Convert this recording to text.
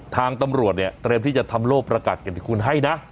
ทางตำรวจเนี่ยเตรียมที่จะทำโลกประกัดการทำที่คุณให้นะ